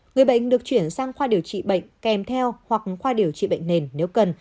người bệnh được chuyển sang khoa điều trị bệnh kèm theo hoặc khoa điều trị bệnh nền nếu cần